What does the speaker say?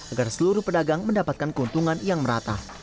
agar seluruh pedagang mendapatkan keuntungan yang merata